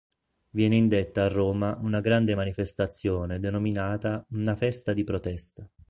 Viene indetta a Roma una grande manifestazione denominata "Una festa di protesta".